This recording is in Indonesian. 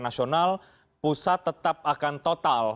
nasional pusat tetap akan tetap menentukan status bencana nasional